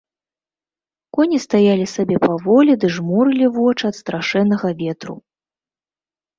Коні стаялі сабе паволі ды жмурылі вочы ад страшэннага ветру.